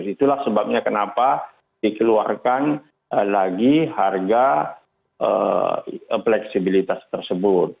itulah sebabnya kenapa dikeluarkan lagi harga fleksibilitas tersebut